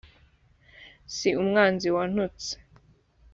si umwanzi wantutser